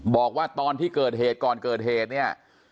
บอกว่าตอนที่เกิดเหตุก่อนเกิดเหตุเนี่ย